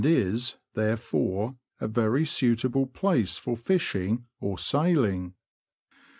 201 is, therefore, a very suitable place for fishing or sailing.